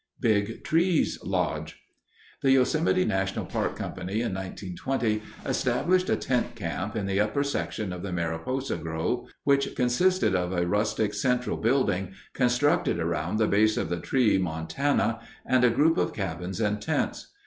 Big Trees Lodge The Yosemite National Park Company in 1920 established a tent camp in the upper section of the Mariposa Grove, which consisted of a rustic central building constructed around the base of the tree, Montana, and a group of cabins and tents.